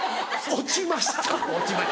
落ちました。